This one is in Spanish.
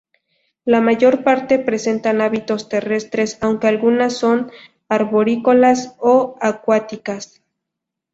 La mayor parte presentan hábitos terrestres aunque algunas son arborícolas o acuáticas.